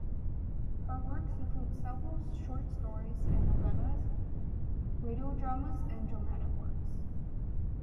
Her works include several short stories and novellas, radio dramas, and dramatic works.